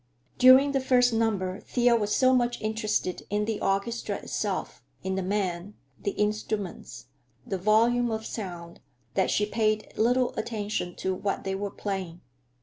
During the first number Thea was so much interested in the orchestra itself, in the men, the instruments, the volume of sound, that she paid little attention to what they were playing.